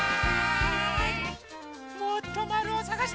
もっとまるをさがしましょう！